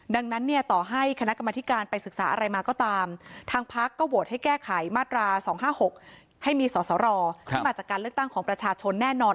ดังนั้นเนี่ยต่อให้คณะกรรมธิการไปศึกษาอะไรมาก็ตามทางพักก็โหวตให้แก้ไขมาตรา๒๕๖ให้มีสอสรที่มาจากการเลือกตั้งของประชาชนแน่นอน